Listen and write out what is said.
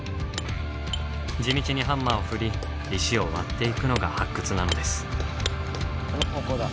地道にハンマーを振り石を割っていくのが発掘なのです。